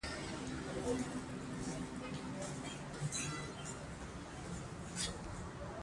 له داخل څخه آشنا غــږونه اورم